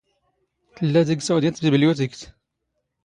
ⵜⵍⵍⴰ ⴷⵉⴳⵙ ⴰⵡⴷ ⵢⴰⵜ ⵜⴱⵉⴱⵍⵢⵓⵜⵉⴽⵜ.